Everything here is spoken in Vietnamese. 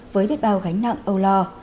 với biết bao gánh nặng âu lo